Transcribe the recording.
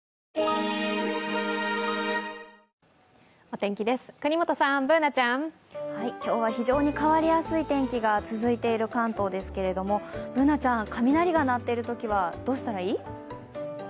お天気です、國本さん、Ｂｏｏｎａちゃん。今日は非常に変わりやすい天気が続いている関東ですけどＢｏｏｎａちゃん、雷が鳴っているときはどうしたらいい？